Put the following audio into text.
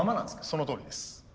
そのとおりです。